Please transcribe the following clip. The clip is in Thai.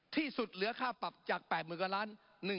ที่สุดเหลือค่าปรับจาก๘๐๐๐กว่าล้าน